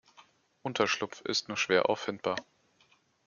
Unterschlupf ist nur schwer auffindbar.